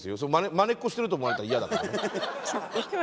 まねっこしてると思われたら嫌だからね。